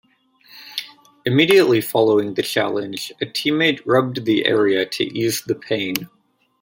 Immediately following the challenge, a teammate rubbed the area to ease the pain.